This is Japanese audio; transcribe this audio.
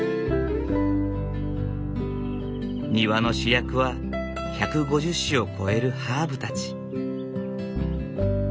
庭の主役は１５０種を超えるハーブたち。